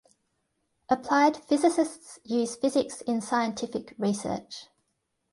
Applied physicists use physics in scientific research.